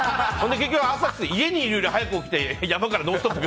結局、家にいるより早く起きて山から「ノンストップ！」